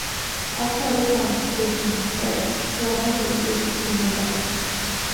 ახლა, როცა ამ სტრიქონს ვწერ, შუაღამე იწვის, დნება,